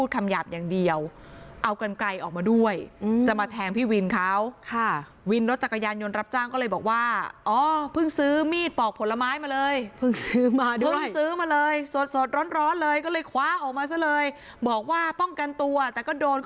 ก็เลยบอกว่าอ๋อเพิ่งซื้อมีดปอกผลไม้มาเลย